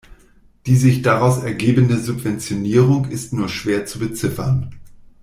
Die sich daraus ergebende Subventionierung ist nur schwer zu beziffern.